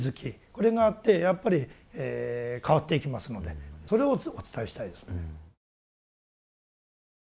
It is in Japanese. これがあってやっぱり変わっていきますのでそれをお伝えしたいですね。